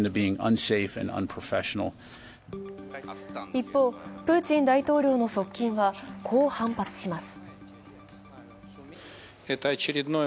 一方、プーチン大統領の側近は、こう反発します。